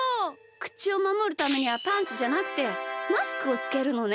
くちをまもるためにはパンツじゃなくてマスクをつけるのね。